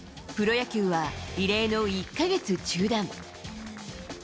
プロ野球は異例の１か月中断。